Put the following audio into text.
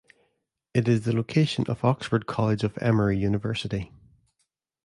It is the location of Oxford College of Emory University.